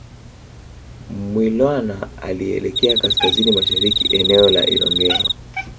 Mwilwana alielekea kaskazini mashariki eneo la Ilongero